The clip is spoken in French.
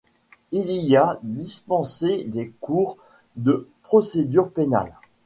Il y a dispensé des cours de procédures pénales.